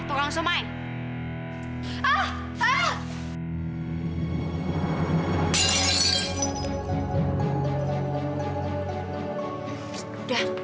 sebenarnya saya tidak punya uang pak